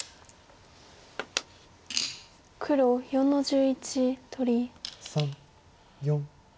黒４の十一取り。